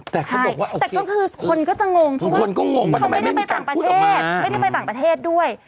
แต่ก็คือคนก็จะงงเพราะว่าเขาไม่ได้ไปต่างประเทศไม่ได้ไปต่างประเทศด้วย